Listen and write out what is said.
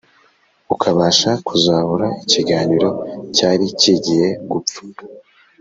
ukabasha kuzahura ikiganiro cyari kigiye gupfa.